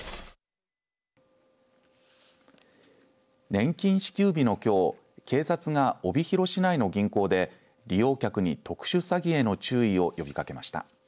年金支給日のきょう警察が帯広市内の銀行で利用客に特殊詐欺への注意を呼びかけました。